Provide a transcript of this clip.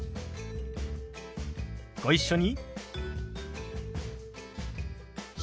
ご一緒に。